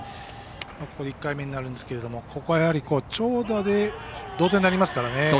ここで１回目になるんですけどここは、やはり長打で同点になりますからね。